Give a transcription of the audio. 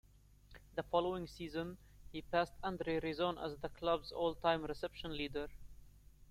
The following season, he passed Andre Rison as the club's all-time reception leader.